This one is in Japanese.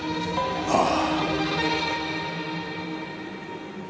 ああ。